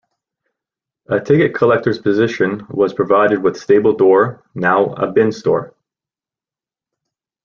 A ticket collectors position was provided with stable door, now a bin store.